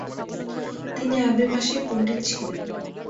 তিনি আরবি ভাষায় পণ্ডিত ছিলেন।